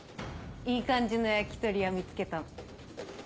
いい感じの焼き鳥屋見つけたの。